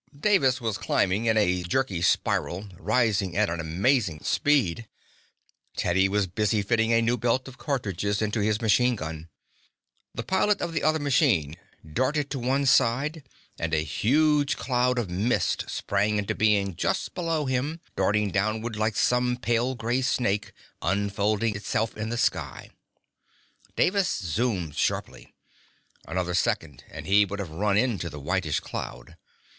Davis was climbing in a jerky spiral, rising at an amazing speed. Teddy was busily fitting a new belt of cartridges into his machine gun. The pilot of the other machine darted to one side and a huge cloud of mist sprang into being just below him, darting downward like some pale gray snake, unfolding itself in the sky. Davis zoomed sharply. Another second and he would have run into the whitish cloud.